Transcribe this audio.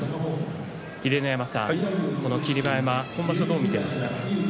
秀ノ山さん、霧馬山今場所どう見てますか？